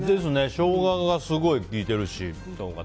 ショウガがすごい効いてるし。